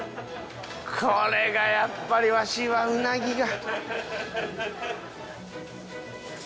これがやっぱりわしはうなぎが。